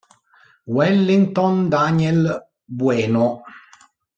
Wellington Daniel Bueno